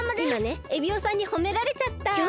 いまねエビオさんにほめられちゃった！